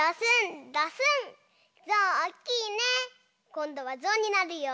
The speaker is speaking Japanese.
こんどはぞうになるよ。